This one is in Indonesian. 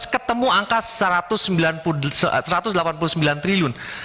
ketemu angka satu ratus delapan puluh sembilan triliun